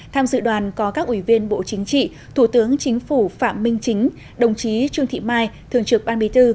tham dự đoàn có các ủy viên bộ chính trị thủ tướng chính phủ phạm minh chính đồng chí trương thị mai thường trực ban bí thư